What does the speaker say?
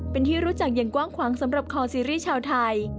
เป็นที่รู้จักอย่างกว้างขวางสำหรับคอซีรีส์ชาวไทย